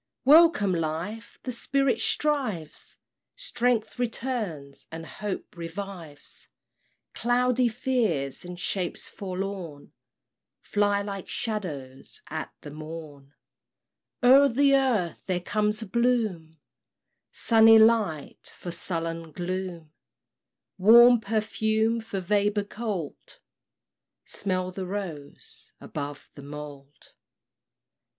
Welcome, Life! the Spirit strives! Strength returns, and hope revives; Cloudy fears and shapes forlorn Fly like shadows at the morn, O'er the earth there comes a bloom Sunny light for sullen gloom, Warm perfume for vapor cold smell the rose above the mould!